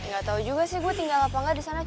gak tau juga sih gue tinggal apa gak disana